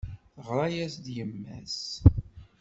Teɣra-as-d yemma-s.